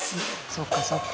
そうかそうか。